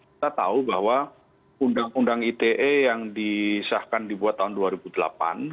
kita tahu bahwa undang undang ite yang disahkan dibuat tahun dua ribu delapan